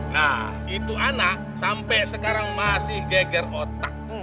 nah itu anak sampai sekarang masih geger otak